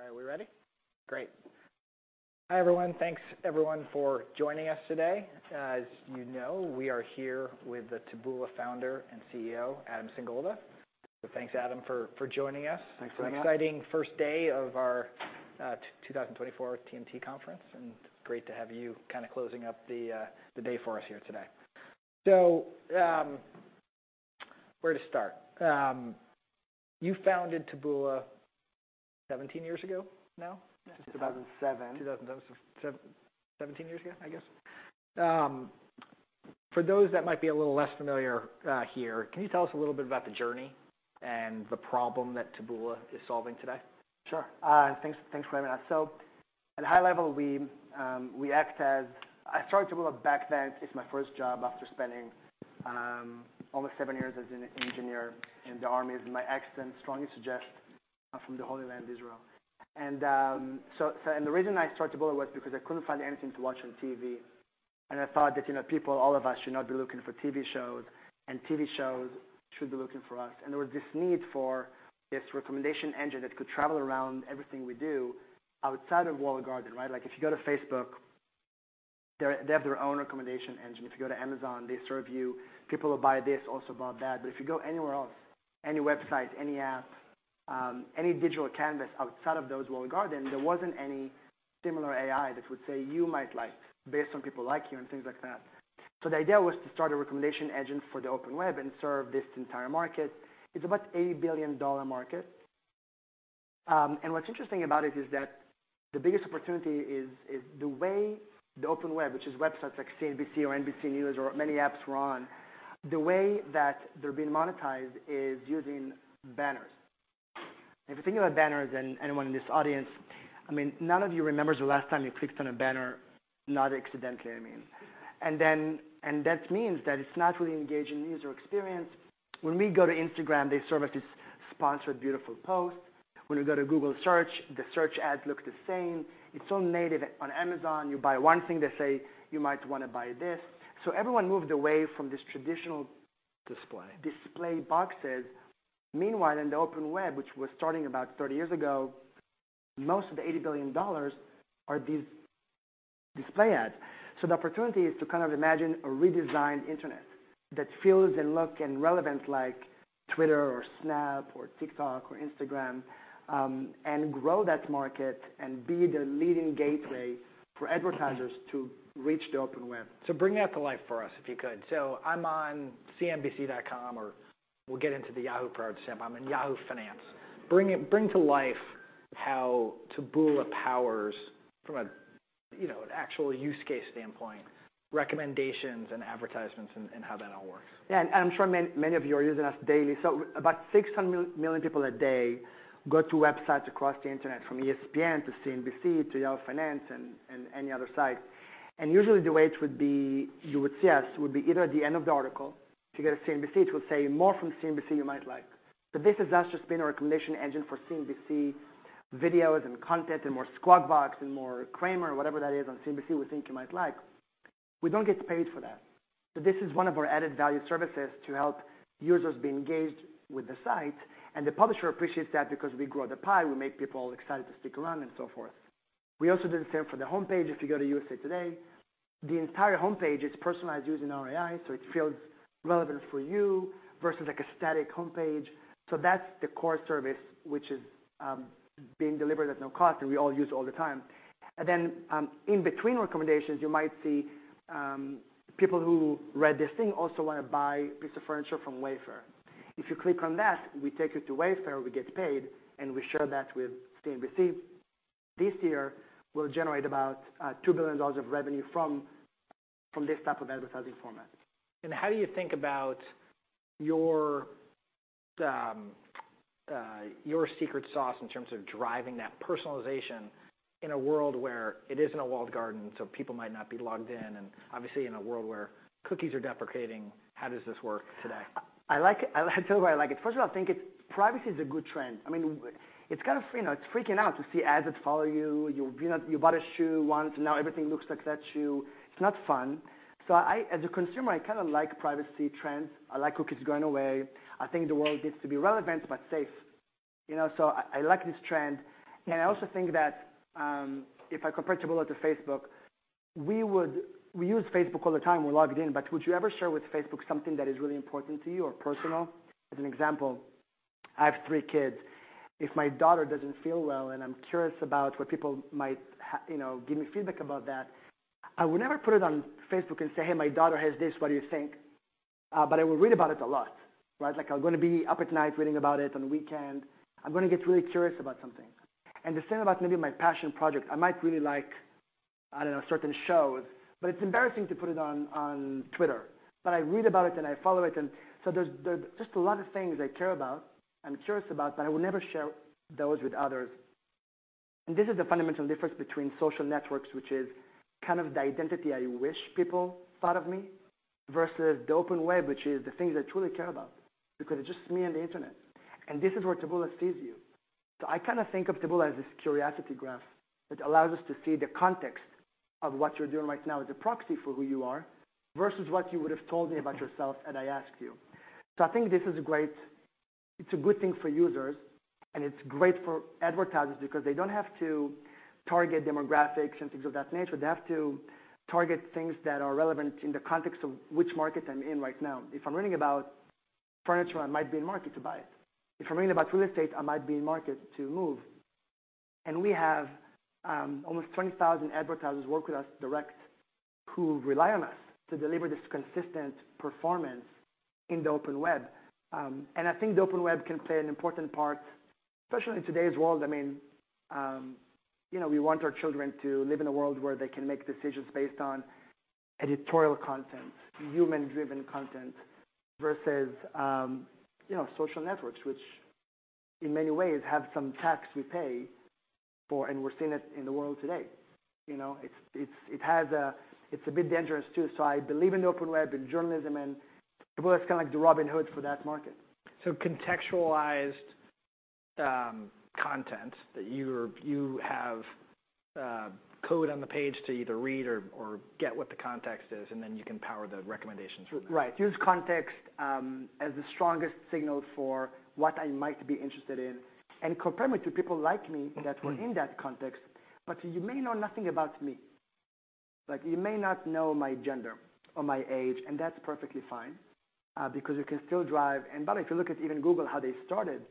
All right, we ready? Great. Hi everyone, thanks everyone for joining us today. As you know, we are here with the Taboola founder and CEO, Adam Singolda. So thanks, Adam, for joining us. Thanks for having us. It's an exciting first day of our 2024 TMT conference, and great to have you kinda closing up the day for us here today. So, where to start? You founded Taboola 17 years ago now? Yeah, 2007. 2007, so 17 years ago, I guess. For those that might be a little less familiar, here, can you tell us a little bit about the journey and the problem that Taboola is solving today? Sure. Thanks, thanks for having us. So, at a high level, we, we act as I started Taboola back then. It's my first job after spending almost seven years as an engineer in the army, as my accent strongly suggests, from the Holy Land, Israel. And so the reason I started Taboola was because I couldn't find anything to watch on TV, and I thought that, you know, people, all of us, should not be looking for TV shows, and TV shows should be looking for us. And there was this need for this recommendation engine that could travel around everything we do outside of walled garden, right? Like, if you go to Facebook, they have their own recommendation engine. If you go to Amazon, they serve you. People will buy this, also buy that. But if you go anywhere else, any website, any app, any digital canvas outside of those walled gardens, there wasn't any similar AI that would say, "You might like," based on people like you and things like that. So the idea was to start a recommendation engine for the open web and serve this entire market. It's about $80 billion market. And what's interesting about it is that the biggest opportunity is the way the open web, which is websites like CNBC or NBC News or many apps we're on, the way that they're being monetized is using banners. And if you're thinking about banners and anyone in this audience, I mean, none of you remembers the last time you clicked on a banner, not accidentally, I mean. And that means that it's not really engaging user experience. When we go to Instagram, they serve us this sponsored, beautiful post. When we go to Google Search, the search ads look the same. It's all native on Amazon. You buy one thing, they say, "You might wanna buy this." So everyone moved away from this traditional. Display. Display boxes. Meanwhile, in the Open Web, which was starting about 30 years ago, most of the $80 billion are these display ads. So the opportunity is to kind of imagine a redesigned internet that feels and looks and is relevant like Twitter or Snap or TikTok or Instagram, and grow that market and be the leading gateway for advertisers to reach the Open Web. So bring that to life for us, if you could. So I'm on CNBC.com, or we'll get into the Yahoo product sample. I'm in Yahoo Finance. Bring it, bring to life how Taboola powers, from a, you know, an actual use case standpoint, recommendations and advertisements and, and how that all works. Yeah, and I'm sure many, many of you are using us daily. So about 600 million people a day go to websites across the internet, from ESPN to CNBC to Yahoo Finance and, and any other site. And usually, the way it would be you would see us would be either at the end of the article. If you go to CNBC, it will say, "More from CNBC you might like." So this has us just been a recommendation engine for CNBC videos and content and more Squawk Box and more Cramer or whatever that is on CNBC we think you might like. We don't get paid for that. So this is one of our added value services to help users be engaged with the site, and the publisher appreciates that because we grow the pie. We make people excited to stick around and so forth. We also do the same for the homepage. If you go to USA Today, the entire homepage is personalized using our AI, so it feels relevant for you versus like a static homepage. So that's the core service, which is being delivered at no cost, and we all use it all the time. And then, in between recommendations, you might see people who read this thing also wanna buy a piece of furniture from Wayfair. If you click on that, we take you to Wayfair, we get paid, and we share that with CNBC. This year, we'll generate about $2 billion of revenue from this type of advertising format. How do you think about your, your secret sauce in terms of driving that personalization in a world where it isn't a walled garden, so people might not be logged in, and obviously, in a world where cookies are deprecating, how does this work today? I like it. I like to tell you why I like it. First of all, I think its privacy is a good trend. I mean, it's kind of, you know, it's freaking out to see ads that follow you. You know, you bought a shoe once, and now everything looks like that shoe. It's not fun. So, as a consumer, I kinda like privacy trends. I like cookies going away. I think the world needs to be relevant but safe, you know? So, I like this trend. And I also think that, if I compare Taboola to Facebook, we use Facebook all the time. We're logged in. But would you ever share with Facebook something that is really important to you or personal? As an example, I have three kids. If my daughter doesn't feel well, and I'm curious about what people might have, you know, give me feedback about that, I would never put it on Facebook and say, "Hey, my daughter has this. What do you think?" but I will read about it a lot, right? Like, I'm gonna be up at night reading about it on the weekend. I'm gonna get really curious about something. And the same about maybe my passion project. I might really like, I don't know, certain shows, but it's embarrassing to put it on Twitter. But I read about it, and I follow it. And so there're just a lot of things I care about, I'm curious about, but I would never share those with others. This is the fundamental difference between social networks, which is kind of the identity I wish people thought of me, versus the open web, which is the things I truly care about because it's just me and the internet. This is where Taboola sees you. I kinda think of Taboola as this curiosity graph that allows us to see the context of what you're doing right now as a proxy for who you are versus what you would have told me about yourself had I asked you. I think this is a great, it's a good thing for users, and it's great for advertisers because they don't have to target demographics and things of that nature. They have to target things that are relevant in the context of which market I'm in right now. If I'm reading about furniture, I might be in market to buy it. If I'm reading about real estate, I might be in market to move. And we have almost 20,000 advertisers who work with us direct who rely on us to deliver this consistent performance in the Open Web. And I think the Open Web can play an important part, especially in today's world. I mean, you know, we want our children to live in a world where they can make decisions based on editorial content, human-driven content, versus, you know, social networks, which in many ways have some tax we pay for, and we're seeing it in the world today, you know? It's, it's, it has a it's a bit dangerous too. So I believe in the Open Web and journalism, and Taboola is kinda like the Robin Hood for that market. So, contextualized content that you have code on the page to either read or get what the context is, and then you can power the recommendations from that. Right. Use context, as the strongest signal for what I might be interested in and compare me to people like me that were in that context. But you may know nothing about me. Like, you may not know my gender or my age, and that's perfectly fine, because you can still drive and by the way, if you look at even Google, how they started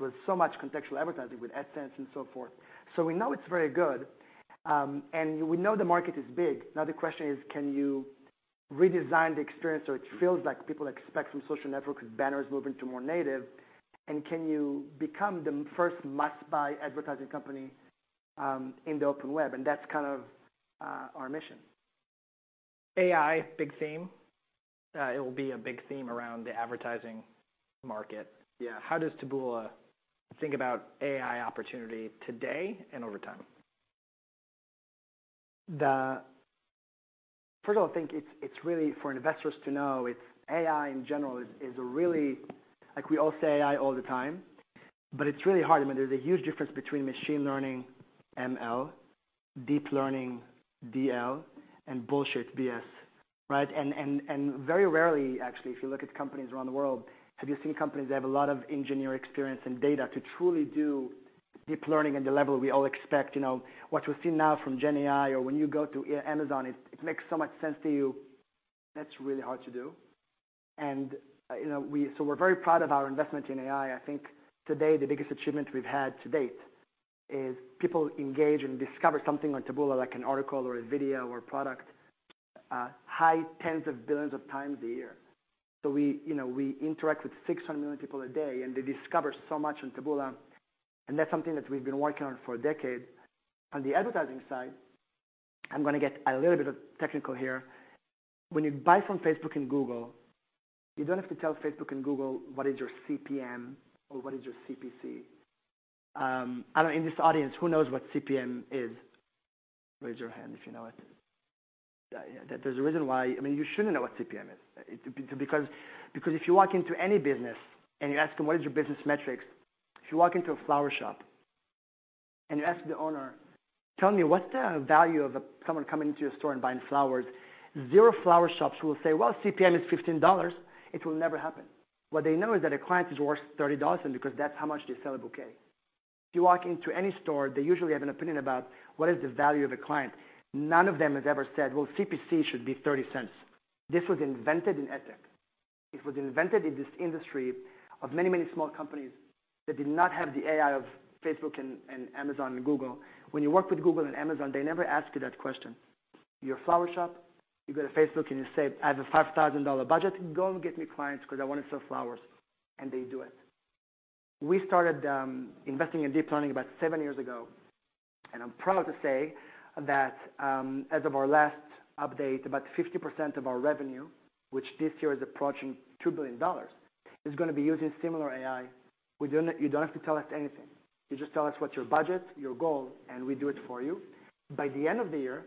with so much contextual advertising with AdSense and so forth. So we know it's very good, and we know the market is big. Now the question is, can you redesign the experience so it feels like people expect from social networks with banners moving to more native, and can you become the first must-buy advertising company, in the Open Web? And that's kind of, our mission. AI, big theme. It will be a big theme around the advertising market. Yeah. How does Taboola think about AI opportunity today and over time? The first of all, I think it's really for investors to know, it's AI in general is a really like, we all say AI all the time, but it's really hard. I mean, there's a huge difference between machine learning, ML, deep learning, DL, and bullshit, BS, right? And very rarely, actually, if you look at companies around the world, have you seen companies that have a lot of engineering experience and data to truly do deep learning at the level we all expect? You know, what we're seeing now from GenAI or when you go to Amazon, it makes so much sense to you. That's really hard to do. And, you know, we're very proud of our investment in AI. I think today, the biggest achievement we've had to date is people engage and discover something on Taboola, like an article or a video or a product, high tens of billions of times a year. So we, you know, we interact with 600 million people a day, and they discover so much on Taboola. And that's something that we've been working on for a decade. On the advertising side, I'm gonna get a little bit of technical here. When you buy from Facebook and Google, you don't have to tell Facebook and Google what is your CPM or what is your CPC. I don't know. In this audience, who knows what CPM is? Raise your hand if you know it. Yeah, that there's a reason why I mean, you shouldn't know what CPM is. Because, because if you walk into any business and you ask them, "What is your business metrics?" If you walk into a flower shop and you ask the owner, "Tell me, what's the value of someone coming into your store and buying flowers?" Zero flower shops will say, "Well, CPM is $15." It will never happen. What they know is that a client is worth $30 in because that's how much they sell a bouquet. If you walk into any store, they usually have an opinion about what is the value of a client. None of them has ever said, "Well, CPC should be $0.30." This was invented in AdTech. It was invented in this industry of many, many small companies that did not have the AI of Facebook and Amazon and Google. When you work with Google and Amazon, they never ask you that question. You're a flower shop. You go to Facebook, and you say, "I have a $5,000 budget. Go and get me clients 'cause I wanna sell flowers." And they do it. We started investing in deep learning about seven years ago. And I'm proud to say that, as of our last update, about 50% of our revenue, which this year is approaching $2 billion, is gonna be using similar AI. We don't you don't have to tell us anything. You just tell us what's your budget, your goal, and we do it for you. By the end of the year,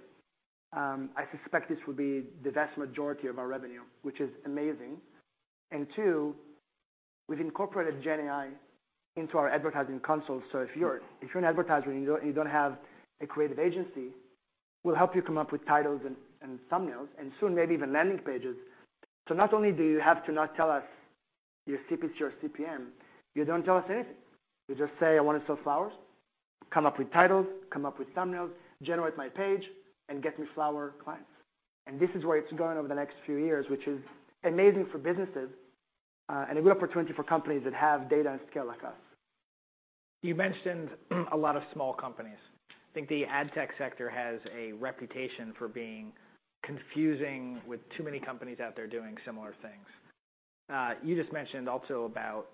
I suspect this will be the vast majority of our revenue, which is amazing. And two, we've incorporated GenAI into our advertising console. So if you're an advertiser and you don't have a creative agency, we'll help you come up with titles and thumbnails and soon maybe even landing pages. So not only do you have to not tell us your CPC or CPM, you don't tell us anything. You just say, "I wanna sell flowers. Come up with titles, come up with thumbnails, generate my page, and get me flower clients." And this is where it's going over the next few years, which is amazing for businesses, and a good opportunity for companies that have data and scale like us. You mentioned a lot of small companies. I think the ad tech sector has a reputation for being confusing with too many companies out there doing similar things. You just mentioned also about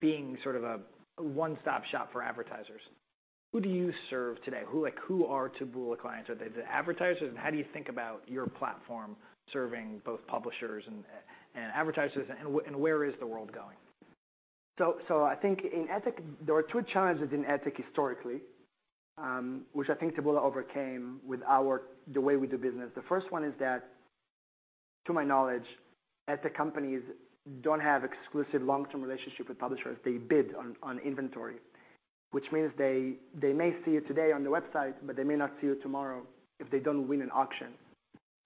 being sort of a, a one-stop shop for advertisers. Who do you serve today? Who, like, who are Taboola clients? Are they the advertisers? And how do you think about your platform serving both publishers and, and advertisers? And, and what and where is the world going? So, I think in open, there were two challenges in open historically, which I think Taboola overcame with the way we do business. The first one is that, to my knowledge, open companies don't have exclusive long-term relationships with publishers. They bid on inventory, which means they may see it today on the website, but they may not see it tomorrow if they don't win an auction.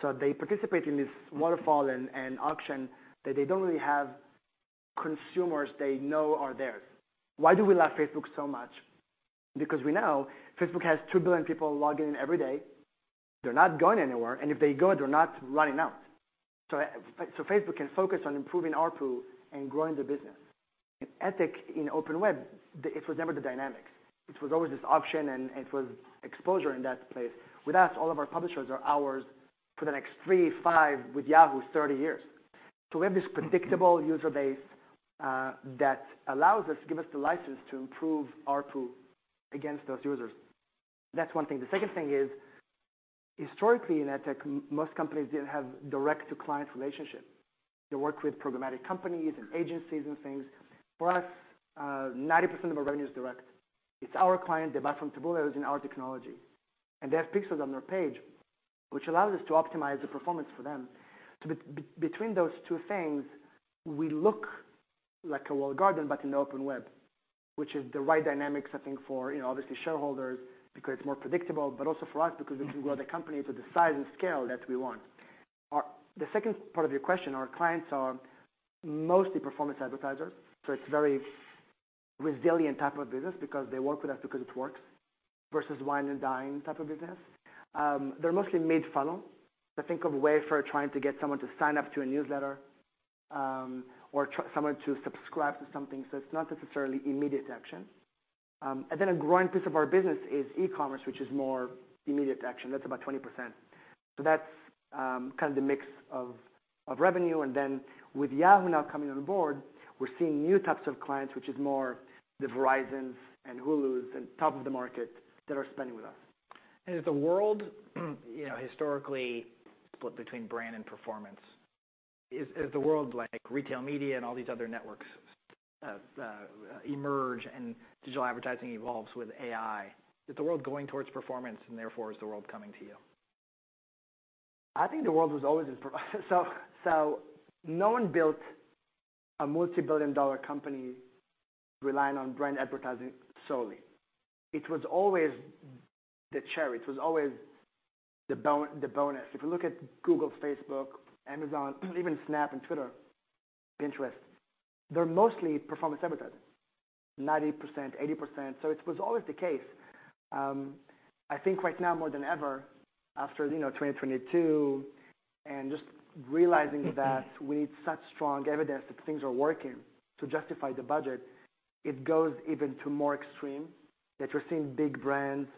So they participate in this waterfall and auction that they don't really have consumers they know are theirs. Why do we love Facebook so much? Because we know Facebook has 2 billion people logging in every day. They're not going anywhere. And if they go, they're not running out. So Facebook can focus on improving ARPU and growing the business. In open, in open web, it was never the dynamics. It was always this auction, and, and it was exposure in that place. With us, all of our publishers are ours for the next 3, 5, with Yahoo, 30 years. So we have this predictable user base, that allows us give us the license to improve ARPU against those users. That's one thing. The second thing is, historically, in AdTech, most companies didn't have direct-to-client relationships. They worked with programmatic companies and agencies and things. For us, 90% of our revenue is direct. It's our client. They buy from Taboola. It was in our technology. They have pixels on their page, which allows us to optimize the performance for them. So between those two things, we look like a walled garden but in the open web, which is the right dynamics, I think, for, you know, obviously, shareholders because it's more predictable, but also for us because we can grow the company to the size and scale that we want. To the second part of your question, our clients are mostly performance advertisers. So it's a very resilient type of business because they work with us because it works versus wine and dine type of business. They're mostly mid-funnel. So think of Wayfair trying to get someone to sign up to a newsletter, or try someone to subscribe to something. So it's not necessarily immediate action. And then a growing piece of our business is e-commerce, which is more immediate action. That's about 20%. So that's, kinda the mix of revenue. And then with Yahoo now coming on board, we're seeing new types of clients, which is more the Verizons and Hulus and top of the market that are spending with us. Is the world, you know, historically split between brand and performance? Is the world, like, retail media and all these other networks emerge, and digital advertising evolves with AI? Is the world going towards performance, and therefore, is the world coming to you? I think the world was always in per se, so no one built a multibillion-dollar company relying on brand advertising solely. It was always the cherry. It was always the bonus. If you look at Google, Facebook, Amazon, even Snap and Twitter, Pinterest, they're mostly performance advertising, 90%, 80%. So it was always the case. I think right now, more than ever, after, you know, 2022 and just realizing that we need such strong evidence that things are working to justify the budget, it goes even to more extreme that you're seeing big brands,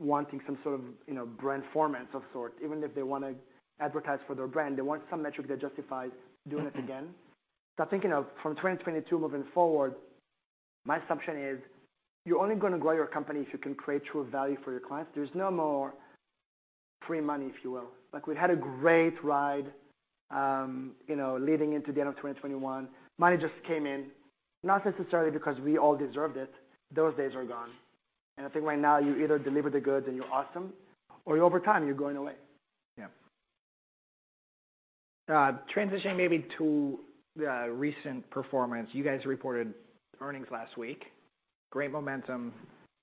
wanting some sort of, you know, brandformance of sort. Even if they wanna advertise for their brand, they want some metric that justifies doing it again. So I think, you know, from 2022 moving forward, my assumption is you're only gonna grow your company if you can create true value for your clients. There's no more free money, if you will. Like, we've had a great ride, you know, leading into the end of 2021. Money just came in, not necessarily because we all deserved it. Those days are gone. And I think right now, you either deliver the goods, and you're awesome, or over time, you're going away. Yeah. Transitioning maybe to the recent performance. You guys reported earnings last week. Great momentum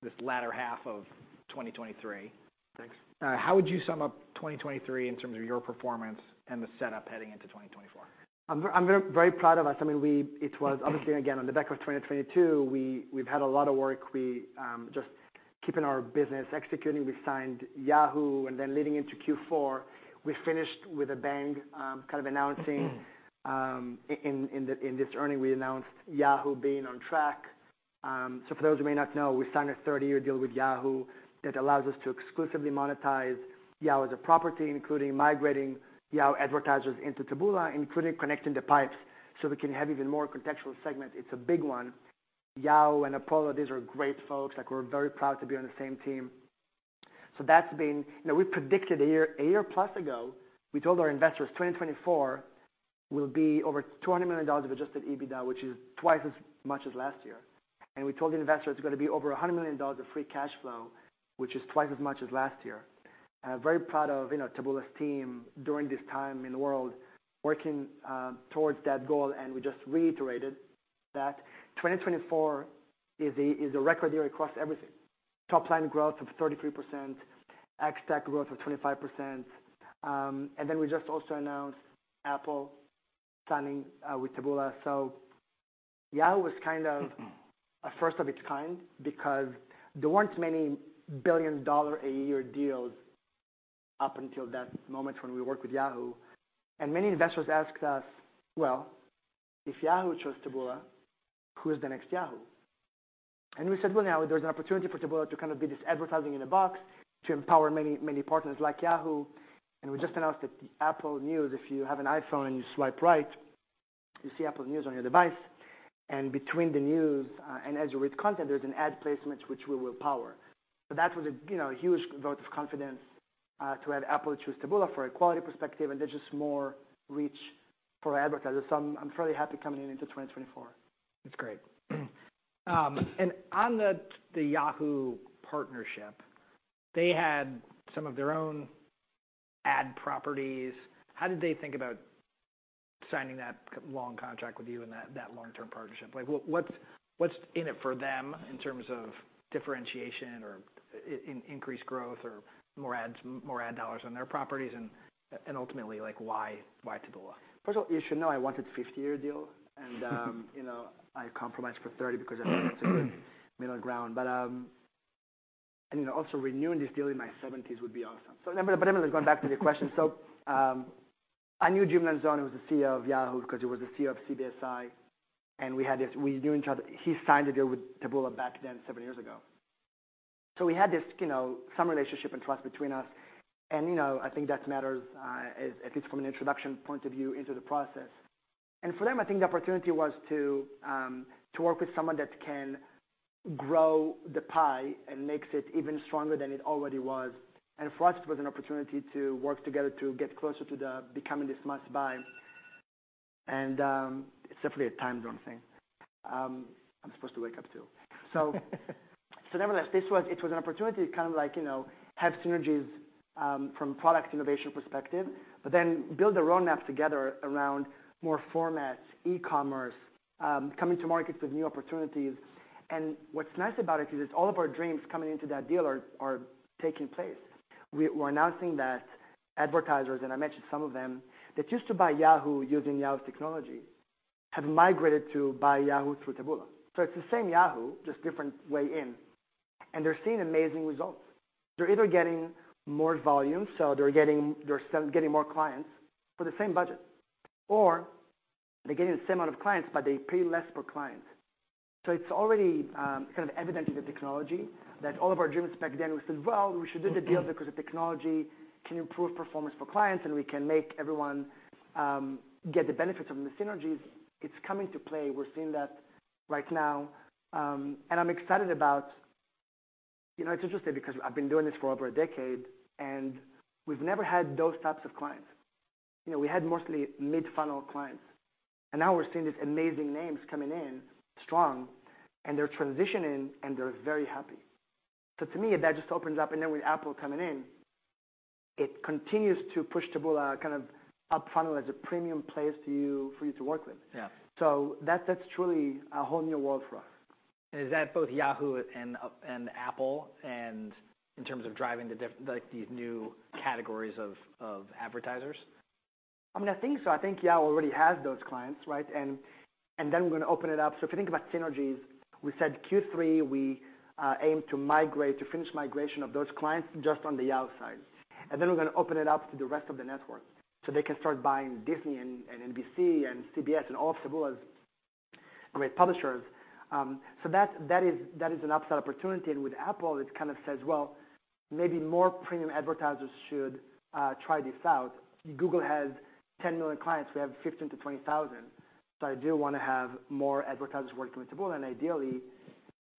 this latter half of 2023. Thanks. How would you sum up 2023 in terms of your performance and the setup heading into 2024? I'm very, very proud of us. I mean, it was obviously, again, on the back of 2022, we've had a lot of work. We just keeping our business executing. We signed Yahoo. Then leading into Q4, we finished with a bang, kind of announcing in this earning, we announced Yahoo being on track. So for those who may not know, we signed a 30-year deal with Yahoo that allows us to exclusively monetize Yahoo as a property, including migrating Yahoo advertisers into Taboola, including connecting the pipes so we can have even more contextual segments. It's a big one. Yahoo and Apollo, these are great folks. Like, we're very proud to be on the same team. So that's been you know, we predicted a year a year plus ago, we told our investors, "2024 will be over $200 million of Adjusted EBITDA," which is twice as much as last year. And we told the investors, "It's gonna be over $100 million of free cash flow," which is twice as much as last year. Very proud of, you know, Taboola's team during this time in the world working towards that goal. And we just reiterated that 2024 is a is a record year across everything, top-line growth of 33%, ex-TAC growth of 25%. And then we just also announced Apple signing with Taboola. So Yahoo was kind of a first of its kind because there weren't many billion-dollar-a-year deals up until that moment when we worked with Yahoo. Many investors asked us, "Well, if Yahoo chose Taboola, who is the next Yahoo?" We said, "Well, now, there's an opportunity for Taboola to kinda be this advertising in a box to empower many, many partners like Yahoo." We just announced that Apple News, if you have an iPhone and you swipe right, you see Apple News on your device. Between the news, and as you read content, there's an ad placement which we will power. That was a, you know, huge vote of confidence, to have Apple choose Taboola for a quality perspective, and there's just more reach for advertisers. I'm, I'm fairly happy coming into 2024. That's great. And on the Yahoo partnership, they had some of their own ad properties. How did they think about signing that long contract with you and that long-term partnership? Like, what's in it for them in terms of differentiation or increased growth or more ads, more ad dollars on their properties? And ultimately, like, why Taboola. First of all, you should know I wanted a 50-year deal. And, you know, I compromised for 30 because I thought that's a good middle ground. But, you know, also renewing this deal in my 70s would be awesome. So never but anyway, let's go back to your question. So, I knew Jim Lanzone. He was the CEO of Yahoo 'cause he was the CEO of CBSi. And we had this, we knew each other. He signed a deal with Taboola back then, 7 years ago. So we had this, you know, some relationship and trust between us. And, you know, I think that matters, at least from an introduction point of view into the process. And for them, I think the opportunity was to work with someone that can grow the pie and makes it even stronger than it already was. For us, it was an opportunity to work together to get closer to the becoming this must-buy. And, it's definitely a time zone thing. I'm supposed to wake up too. So nevertheless, this was an opportunity to kind of like, you know, have synergies, from product innovation perspective, but then build a roadmap together around more formats, e-commerce, coming to markets with new opportunities. And what's nice about it is it's all of our dreams coming into that deal are taking place. We're announcing that advertisers - and I mentioned some of them - that used to buy Yahoo using Yahoo's technology have migrated to buy Yahoo through Taboola. So it's the same Yahoo, just different way in. And they're seeing amazing results. They're either getting more volume, so they're getting more clients for the same budget, or they're getting the same amount of clients, but they pay less per client. So it's already kind of evident in the technology that all of our dreams back then. We said, "Well, we should do the deal because the technology can improve performance for clients, and we can make everyone get the benefits from the synergies." It's coming to play. We're seeing that right now. And I'm excited about you know, it's interesting because I've been doing this for over a decade, and we've never had those types of clients. You know, we had mostly mid-funnel clients. And now, we're seeing these amazing names coming in, strong, and they're transitioning, and they're very happy. So to me, that just opens up. Then, with Apple coming in, it continues to push Taboola kind of up-funnel as a premium place to you for you to work with. Yeah. So that's truly a whole new world for us. Is that both Yahoo and Apple in terms of driving the diff like these new categories of advertisers? I mean, I think so. I think Yahoo already has those clients, right? And, and then we're gonna open it up. So if you think about synergies, we said Q3, we, aimed to migrate to finish migration of those clients just on the Yahoo side. And then we're gonna open it up to the rest of the network so they can start buying Disney and, and NBC and CBS and all of Taboola's great publishers. So that, that is that is an upside opportunity. And with Apple, it kind of says, "Well, maybe more premium advertisers should, try this out. Google has 10 million clients. We have 15-20 thousand. So I do wanna have more advertisers working with Taboola. And ideally,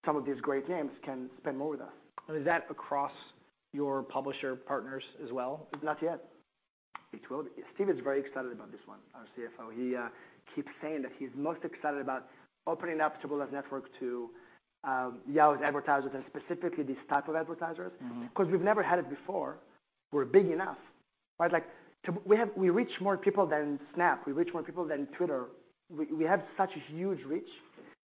some of these great names can spend more with us. Is that across your publisher partners as well? Not yet. It will be. Steve is very excited about this one, our CFO. He keeps saying that he's most excited about opening up Taboola's network to Yahoo's advertisers and specifically these type of advertisers. Mm-hmm. 'Cause we've never had it before. We're big enough, right? Like, Taboola, we reach more people than Snap. We reach more people than Twitter. We have such a huge reach.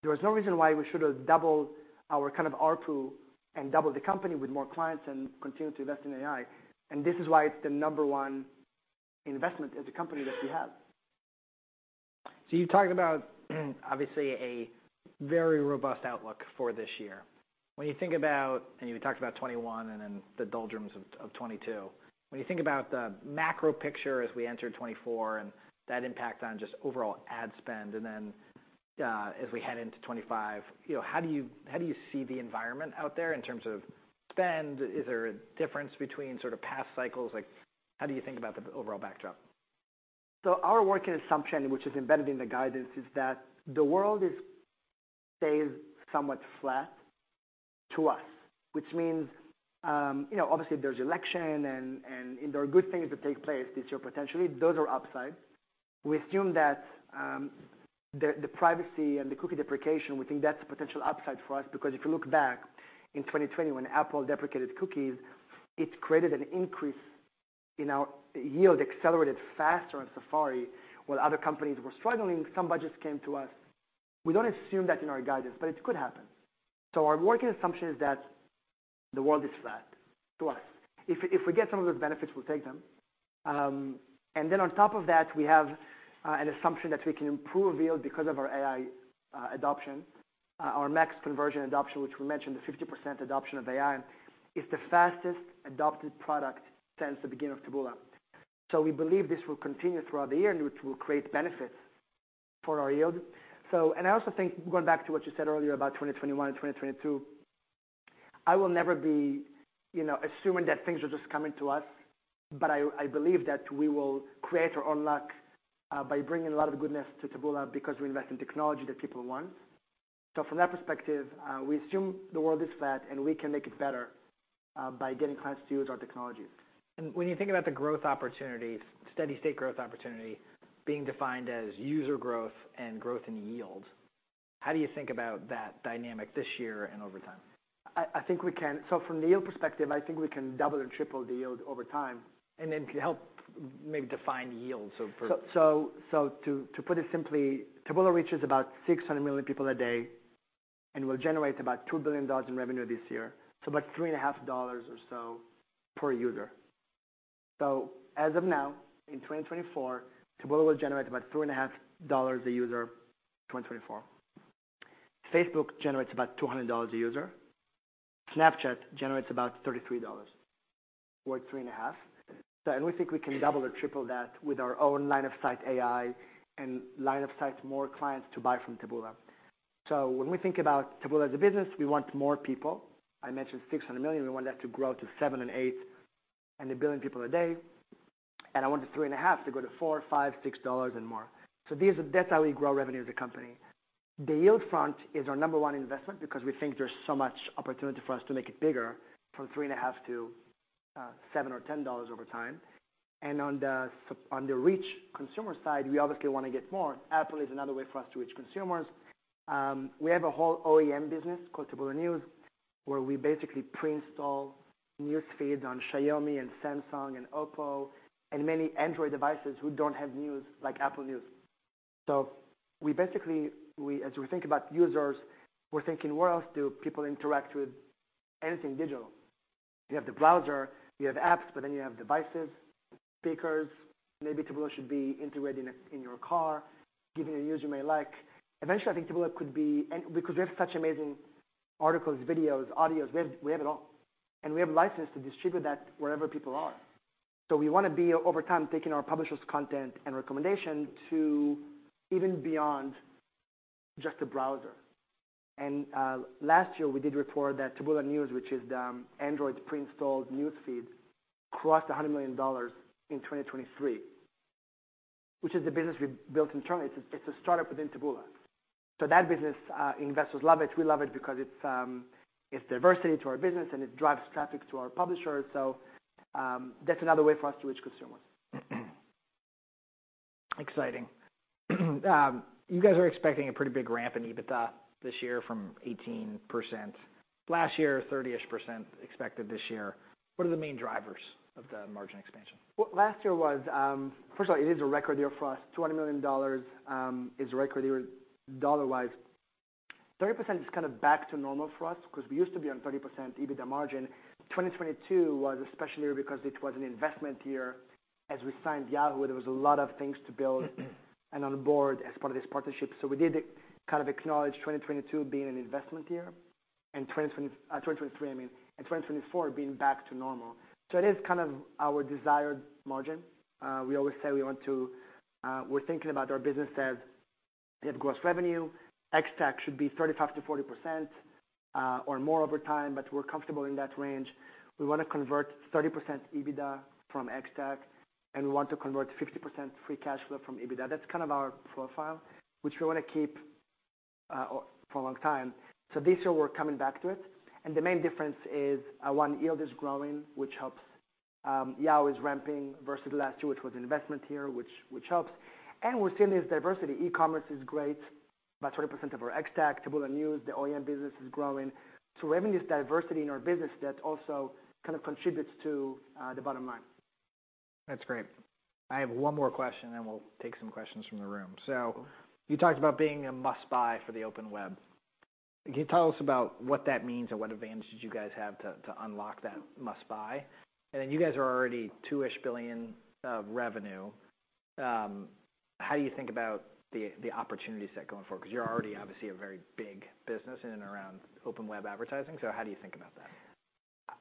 There was no reason why we should've doubled our kind of ARPU and doubled the company with more clients and continued to invest in AI. And this is why it's the number one investment as a company that we have. So you've talked about, obviously, a very robust outlook for this year. When you think about and you talked about 2021 and then the doldrums of, of 2022. When you think about the macro picture as we enter 2024 and that impact on just overall ad spend and then, as we head into 2025, you know, how do you how do you see the environment out there in terms of spend? Is there a difference between sort of past cycles? Like, how do you think about the overall backdrop? So our working assumption, which is embedded in the guidance, is that the world stays somewhat flat to us, which means, you know, obviously, there's an election, and there are good things that take place this year, potentially. Those are upsides. We assume that the privacy and the cookie deprecation is a potential upside for us because if you look back in 2020 when Apple deprecated cookies, it created an increase in our yield, accelerated faster on Safari while other companies were struggling. Some budgets came to us. We don't assume that in our guidance, but it could happen. So our working assumption is that the world is flat to us. If we get some of those benefits, we'll take them. And then on top of that, we have an assumption that we can improve yield because of our AI adoption, our max conversion adoption, which we mentioned. The 50% adoption of AI is the fastest adopted product since the beginning of Taboola. So we believe this will continue throughout the year and which will create benefits for our yield. So and I also think going back to what you said earlier about 2021 and 2022, I will never be, you know, assuming that things are just coming to us. But I, I believe that we will create our own luck by bringing a lot of goodness to Taboola because we invest in technology that people want. So from that perspective, we assume the world is flat, and we can make it better by getting clients to use our technologies. When you think about the growth opportunities, steady-state growth opportunity being defined as user growth and growth in yield, how do you think about that dynamic this year and over time? I think we can so from the yield perspective. I think we can double and triple the yield over time and then help maybe define yield, so for. So to put it simply, Taboola reaches about 600 million people a day and will generate about $2 billion in revenue this year, so about $3.5 or so per user. So as of now, in 2024, Taboola will generate about $3.5 a user in 2024. Facebook generates about $200 a user. Snapchat generates about $33 or $3.5. So and we think we can double or triple that with our own line-of-sight AI and line-of-sight more clients to buy from Taboola. So when we think about Taboola as a business, we want more people. I mentioned 600 million. We want that to grow to 700 million, 800 million, and 1 billion people a day. And I want the $3.5 to go to $4, $5, $6 and more. So these are that's how we grow revenue as a company. The yield front is our number one investment because we think there's so much opportunity for us to make it bigger from $3.5-$7 or $10 over time. On the so on the reach consumer side, we obviously wanna get more. Apple is another way for us to reach consumers. We have a whole OEM business called Taboola News where we basically pre-install news feeds on Xiaomi and Samsung and Oppo and many Android devices who don't have news like Apple News. So we basically we as we think about users, we're thinking, "Where else do people interact with anything digital?" You have the browser. You have apps, but then you have devices, speakers. Maybe Taboola should be integrated in your car, giving a use you may like. Eventually, I think Taboola could be and because we have such amazing articles, videos, audios. We have it all. We have license to distribute that wherever people are. So we wanna be over time taking our publisher's content and recommendation to even beyond just the browser. Last year, we did report that Taboola News, which is the Android pre-installed news feed, crossed $100 million in 2023, which is a business we built internally. It's a startup within Taboola. So that business, investors love it. We love it because it's diversity to our business, and it drives traffic to our publishers. So, that's another way for us to reach consumers. Exciting. You guys are expecting a pretty big ramp in EBITDA this year from 18%. Last year, 30-ish% expected this year. What are the main drivers of the margin expansion? Well, last year was, first of all, it is a record year for us. $200 million is a record year dollar-wise. 30% is kind of back to normal for us 'cause we used to be on 30% EBITDA margin. 2022 was a special year because it was an investment year. As we signed Yahoo, there was a lot of things to build and on board as part of this partnership. So we did kind of acknowledge 2022 being an investment year and 2020 2023, I mean, and 2024 being back to normal. So it is kind of our desired margin. We always say we want to we're thinking about our business as we have gross revenue. Ex-TAC should be 35%-40%, or more over time, but we're comfortable in that range. We wanna convert 30% EBITDA from ex-TAC, and we want to convert 50% free cash flow from EBITDA. That's kind of our profile, which we wanna keep for a long time. So this year, we're coming back to it. And the main difference is, one, yield is growing, which helps. Yahoo is ramping versus last year, which was an investment year, which helps. And we're seeing this diversity. E-commerce is great by 20% of our ex-TAC. Taboola News, the OEM business, is growing. So we have this diversity in our business that also kind of contributes to the bottom line. That's great. I have one more question, and we'll take some questions from the room. So you talked about being a must-buy for the open web. Can you tell us about what that means and what advantage did you guys have to, to unlock that must-buy? And then you guys are already $2 billion-ish of revenue. How do you think about the, the opportunities that going forward? 'Cause you're already, obviously, a very big business in and around open web advertising. So how do you think about that?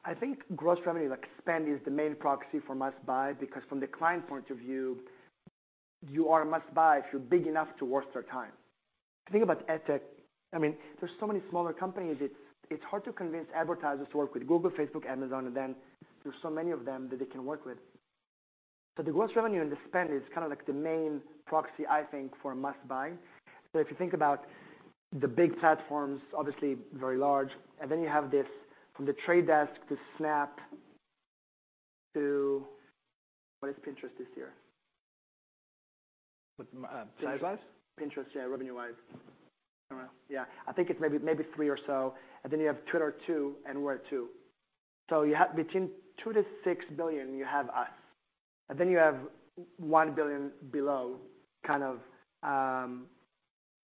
I think gross revenue, like, spend is the main proxy for must-buy because from the client point of view, you are a must-buy if you're big enough to worth their time. Think about EdTech. I mean, there's so many smaller companies. It's hard to convince advertisers to work with Google, Facebook, Amazon, and then there's so many of them that they can work with. So the gross revenue and the spend is kind of like the main proxy, I think, for a must-buy. So if you think about the big platforms, obviously, very large, and then you have this from The Trade Desk to Snap to what is Pinterest this year? With, size-wise? Pinterest, yeah, revenue-wise. I don't know. Yeah. I think it's maybe, maybe 3 or so. And then you have Twitter too and Outbrain too. So you have between $2 billion-$6 billion, you have us. And then you have $1 billion below, kind of,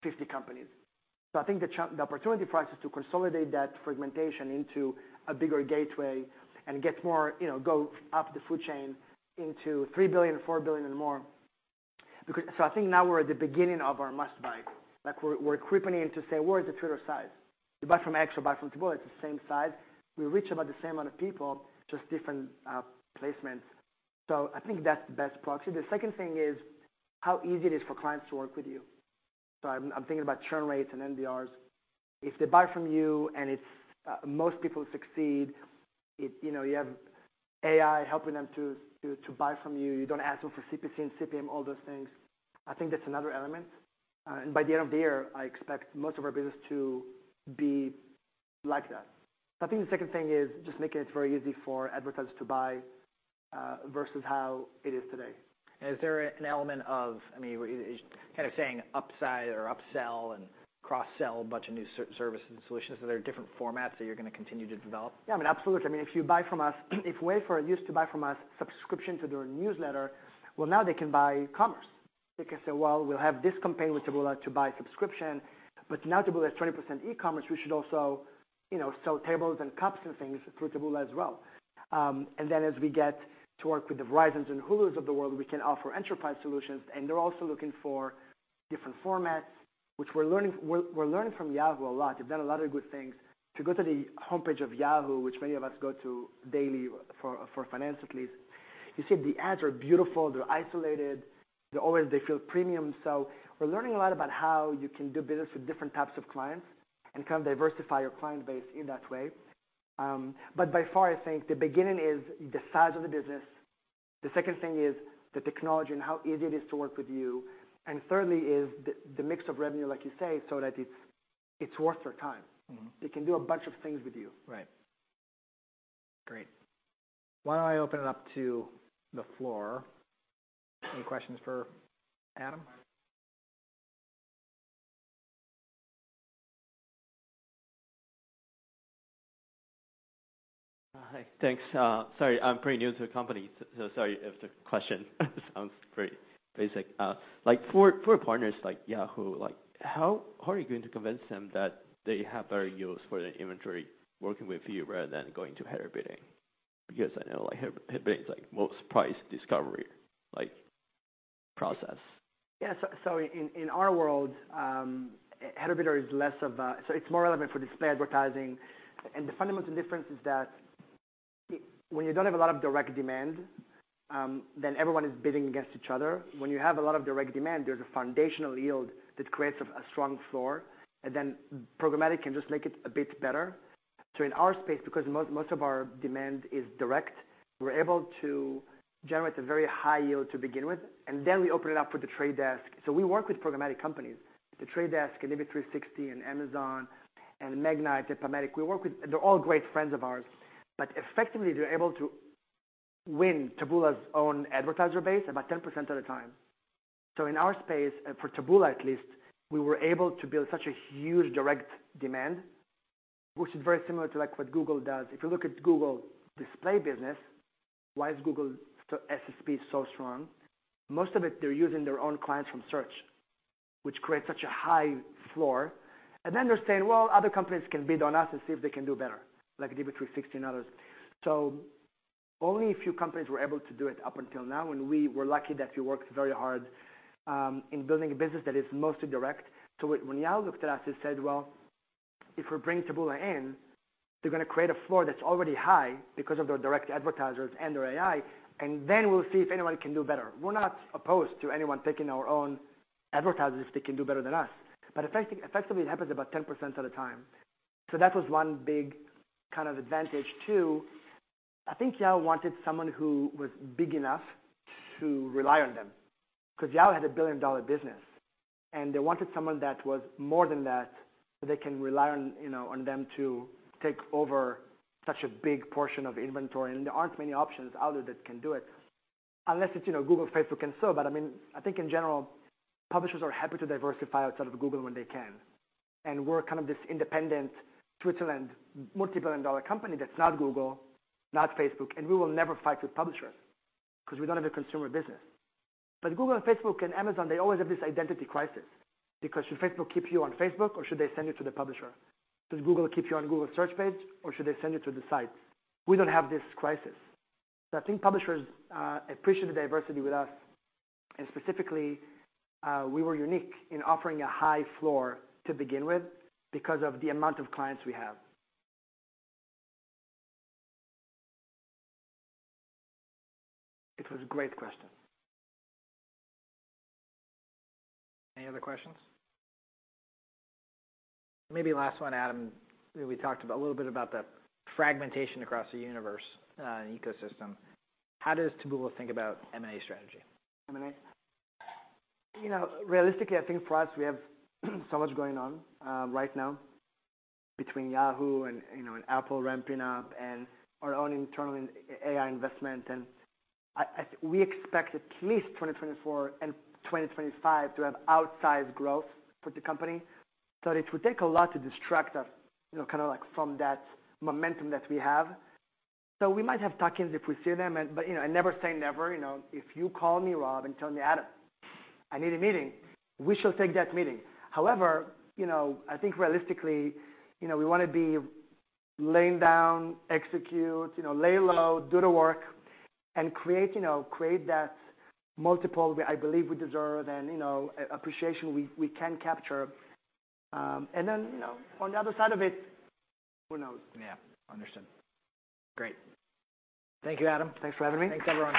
50 companies. So I think the chance, the opportunity for us is to consolidate that fragmentation into a bigger gateway and get more, you know, go up the food chain into $3 billion, $4 billion, and more because so I think now, we're at the beginning of our must-buy. Like, we're, we're creeping in to say, "Where is the Twitter size? You buy from X or buy from Taboola. It's the same size." We reach about the same amount of people, just different placements. So I think that's the best proxy. The second thing is how easy it is for clients to work with you. So I'm thinking about churn rates and NDRs. If they buy from you and it's most people succeed, it you know, you have AI helping them to buy from you. You don't ask them for CPC and CPM, all those things. I think that's another element. By the end of the year, I expect most of our business to be like that. So I think the second thing is just making it very easy for advertisers to buy, versus how it is today. Is there an element of, I mean, we're kind of saying upside or upsell and cross-sell a bunch of new services and solutions? Are there different formats that you're gonna continue to develop? Yeah. I mean, absolutely. I mean, if you buy from us if Wayfair used to buy from us, subscription to their newsletter, well, now, they can buy commerce. They can say, "Well, we'll have this campaign with Taboola to buy subscription. But now, Taboola has 20% e-commerce. We should also, you know, sell tables and cups and things through Taboola as well." And then as we get to work with the Verizons and Hulus of the world, we can offer enterprise solutions. And they're also looking for different formats, which we're learning from Yahoo a lot. They've done a lot of good things. If you go to the homepage of Yahoo, which many of us go to daily for finance at least, you see the ads are beautiful. They're isolated. They're always, they feel premium. So we're learning a lot about how you can do business with different types of clients and kind of diversify your client base in that way. But by far, I think the beginning is the size of the business. The second thing is the technology and how easy it is to work with you. And thirdly is the mix of revenue, like you say, so that it's worth their time. Mm-hmm. They can do a bunch of things with you. Right. Great. Why don't I open it up to the floor? Any questions for Adam? Hi. Thanks. Sorry. I'm pretty new to the company. Sorry if the question sounds pretty basic. Like, for partners like Yahoo, like, how are you going to convince them that they have better use for their inventory working with you rather than going to header bidding? Because I know, like, header bidding is, like, most price discovery, like, process. Yeah. So in our world, header bidding is less of a, it's more relevant for display advertising. And the fundamental difference is that when you don't have a lot of direct demand, then everyone is bidding against each other. When you have a lot of direct demand, there's a foundational yield that creates a strong floor. And then programmatic can just make it a bit better. So in our space, because most of our demand is direct, we're able to generate a very high yield to begin with. And then we open it up for The Trade Desk. So we work with programmatic companies, The Trade Desk and DV360 and Amazon and Magnite, PubMatic. We work with they're all great friends of ours. But effectively, they're able to win Taboola's own advertiser base about 10% of the time. So in our space, for Taboola at least, we were able to build such a huge direct demand, which is very similar to, like, what Google does. If you look at Google display business, why is Google's SSP so strong? Most of it, they're using their own clients from search, which creates such a high floor. And then they're saying, "Well, other companies can bid on us and see if they can do better, like DV360 and others." So only a few companies were able to do it up until now. And we were lucky that we worked very hard, in building a business that is mostly direct. So when Yahoo looked at us, they said, "Well, if we bring Taboola in, they're gonna create a floor that's already high because of their direct advertisers and their AI. And then we'll see if anyone can do better." We're not opposed to anyone taking our own advertisers if they can do better than us. But effectively, it happens about 10% of the time. So that was one big kind of advantage too. I think Yahoo wanted someone who was big enough to rely on them 'cause Yahoo had a billion-dollar business. And they wanted someone that was more than that so they can rely on, you know, on them to take over such a big portion of inventory. And there aren't many options out there that can do it unless it's, you know, Google, Facebook can sell. But I mean, I think, in general, publishers are happy to diversify outside of Google when they can. And we're kind of this independent Switzerland, multibillion-dollar company that's not Google, not Facebook. We will never fight with publishers 'cause we don't have a consumer business. Google, Facebook, and Amazon, they always have this identity crisis because, "Should Facebook keep you on Facebook, or should they send you to the publisher? Should Google keep you on Google Search page, or should they send you to the site?" We don't have this crisis. I think publishers appreciate the diversity with us. Specifically, we were unique in offering a high floor to begin with because of the amount of clients we have. It was a great question. Any other questions? Maybe last one, Adam. We talked a little bit about the fragmentation across the universe, and ecosystem. How does Taboola think about M&A strategy? M&A? You know, realistically, I think for us we have so much going on right now between Yahoo and, you know, and Apple ramping up and our own internal AI investment. I think we expect at least 2024 and 2025 to have outsized growth for the company. So it would take a lot to distract us, you know, kind of like from that momentum that we have. So we might have talk-ins if we see them. But, you know, I never say never. You know, if you call me, Rob, and tell me, "Adam, I need a meeting," we shall take that meeting. However, you know, I think realistically, you know, we wanna be laying low, execute, you know, lay low, do the work, and create, you know, that multiple we, I believe, we deserve and, you know, appreciation we can capture. And then, you know, on the other side of it, who knows? Yeah. Understood. Great. Thank you, Adam. Thanks for having me. Thanks, everyone.